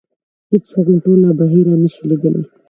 هېڅوک هم ټوله بحیره نه شي لیدلی .